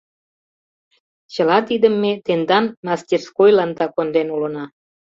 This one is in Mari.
Чыла тидым ме тендан мастерскойланда конден улына.